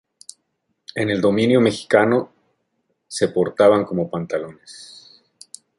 En el dominio mexicano se portaban como pantalones.